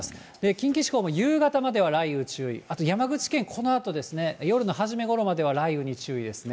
近畿地方も夕方までは雷雨注意、あと山口県このあと、夜の初めごろまでは雷雨に注意ですね。